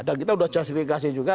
dan kita sudah jasifikasi juga